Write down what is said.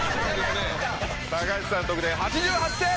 高橋さんの得点８８点！